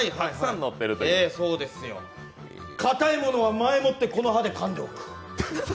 硬いものは前もって、この歯でかんでおく。